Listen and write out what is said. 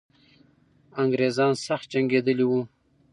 انګریزان سخت جنګېدلي وو.